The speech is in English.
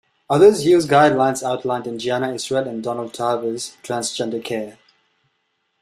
Others use guidelines outlined in Gianna Israel and Donald Tarver's "Transgender Care".